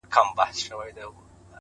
ستا په سترگو کي دي يو عالم خبرې’